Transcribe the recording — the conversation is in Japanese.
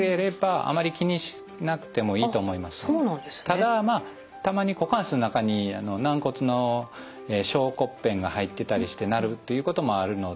ただたまに股関節の中に軟骨の小骨片が入ってたりして鳴るということもあるので。